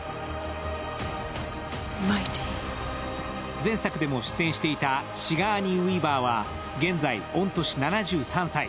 前作でも出演していたシガーニー・ウィーバーは現在、御年７３歳。